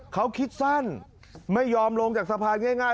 เขาคิดสั้นไม่ยอมลงจากสะพานง่าย